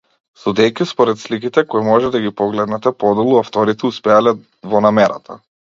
Судејќи според сликите кои може да ги погледнете подолу, авторите успеале во намерата.